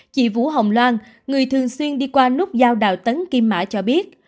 chị vũ hồng loan người thường xuyên đi qua nút giao đào tấn kim mã cho biết